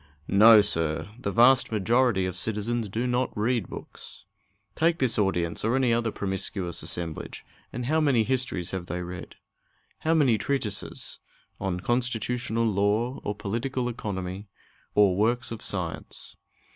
No, sir! The vast majority of citizens do not read books. Take this audience, or any other promiscuous assemblage, and how many histories have they read? How many treatises on constitutional law, or political economy, or works of science?